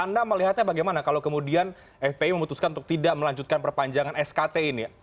anda melihatnya bagaimana kalau kemudian fpi memutuskan untuk tidak melanjutkan perpanjangan skt ini